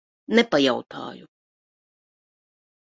Nepajautāju.